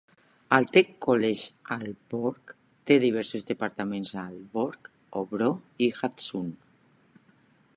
El Tech College Aalborg té diversos departaments a Aalborg, Hobro i Hadsund.